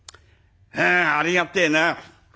「えありがてえな。